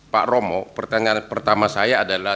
pak romo pertanyaan pertama saya adalah